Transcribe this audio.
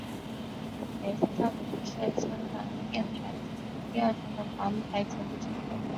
甜心家族亦是香港电台第二台的皇牌节目之一。